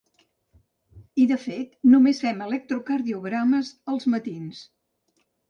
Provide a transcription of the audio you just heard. I, de fet, només fem electrocardiogrames els matins.